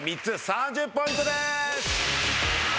３０ポイントです！